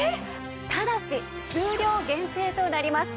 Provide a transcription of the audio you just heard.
ただし数量限定となります。